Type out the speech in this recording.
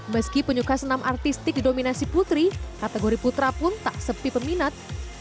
meski penyuka senam artistik didominasi putri kategori putra pun tak sepi peminat